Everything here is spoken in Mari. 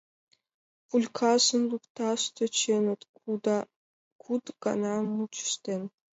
Пулькажым лукташ тӧченыт, куд гана мучыштен.